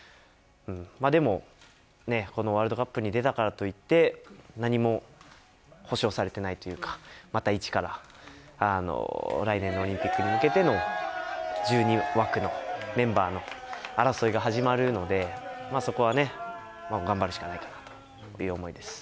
でも、このワールドカップに出たからといって、何も保証されてないというか、また一から来年のオリンピックに向けての、１２枠のメンバーの争いが始まるので、そこはね、頑張るしかないかなっていう思いです。